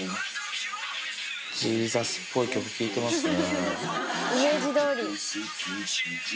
ジーザスっぽい曲聴いてますね。